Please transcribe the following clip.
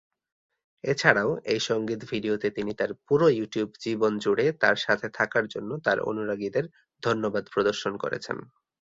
এছাড়াও এই সংগীত ভিডিওতে তিনি তার পুরো ইউটিউব জীবন জুড়ে তার সাথে থাকার জন্য তার অনুরাগীদের ধন্যবাদ প্রদর্শন করেছেন।